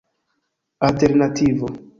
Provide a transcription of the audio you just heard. alternativo